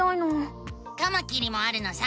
カマキリもあるのさ！